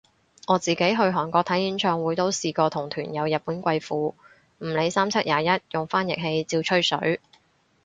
我自己去韓國睇演唱會都試過同團有日本貴婦，唔理三七廿一用翻譯器照吹水